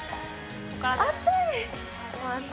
暑い！